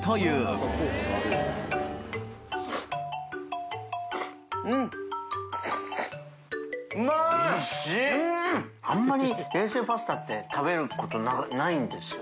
覆燭筺あんまり冷製パスタって食べる事ないんですよ。